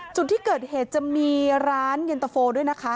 จุดที่เกิดเหตุจะมีร้านเย็นตะโฟด้วยนะคะ